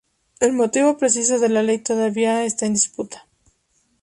El motivo preciso de la ley todavía está en disputa.